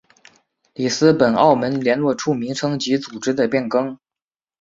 里斯本澳门联络处名称及组织的变更。